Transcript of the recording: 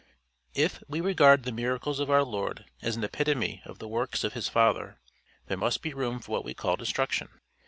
IF we regard the miracles of our Lord as an epitome of the works of his Father, there must be room for what we call destruction.